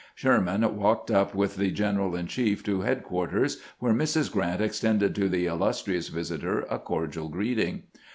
Sherman walked up with the general in ehief to headquarters, where Mrs. Grant extended to the illustrious visitor a cordial greeting.